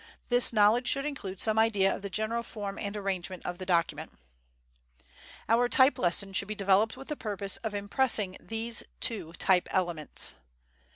This knowledge should include some idea of the general form and arrangement of the document. Our type lesson should be developed with the purpose of impressing these two type elements.